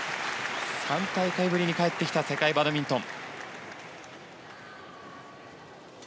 ３大会ぶりに帰ってきた世界バドミントン。